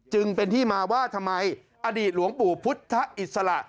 จึงเป็นที่มาว่าทำไมอดีตหลวงปู่พุทธอิสระ